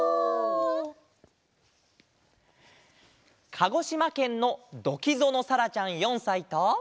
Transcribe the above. かごしまけんのどきぞのさらちゃん４さいと。